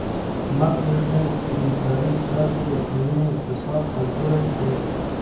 مه پرېږدئ چي بې کاري ستاسو د ټولني اقتصاد کمزوری کړي.